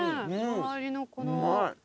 周りのこの。